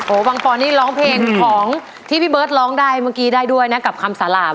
บางปอนนี่ร้องเพลงของที่พี่เบิร์ตร้องได้เมื่อกี้ได้ด้วยนะกับคำสาราม